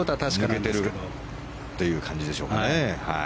抜けているという感じでしょうかね。